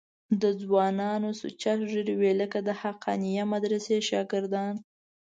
د ځوانانو سوچه ږیرې وې لکه د حقانیه مدرسې شاګردان.